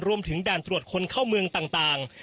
รวมถึงด่านตรวจคนเข้าเมืองต่าง